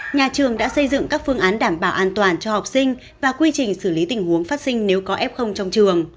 nhà trường đã xây dựng các phương án đảm bảo an toàn cho học sinh và quy trình xử lý tình huống phát sinh nếu có f trong trường